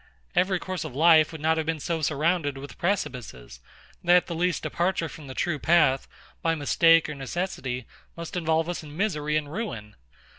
Every course of life would not have been so surrounded with precipices, that the least departure from the true path, by mistake or necessity, must involve us in misery and ruin.